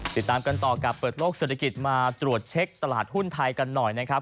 ติดตามกันต่อกับเปิดโลกเศรษฐกิจมาตรวจเช็คตลาดหุ้นไทยกันหน่อยนะครับ